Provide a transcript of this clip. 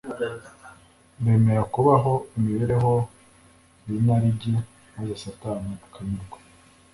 Bemera kubaho imibereho y’inarijye, maze Satani akanyurwa